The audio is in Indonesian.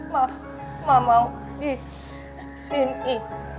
ma ma mau di sini